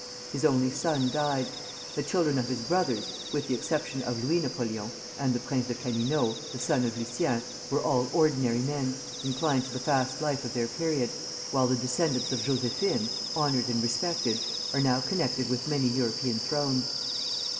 His only son died. The children of his brothers, with the exception of Louis Napoleon, and the Prince de Canino, the son of Lucien, were all ordinary men, inclined to the fast life of their period; while the descendants of Josephine, honored and respected, are now connected with many European thrones.